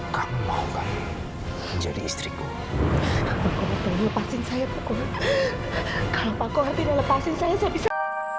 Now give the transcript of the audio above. kalau pak kauh tidak lepasin saya saya bisa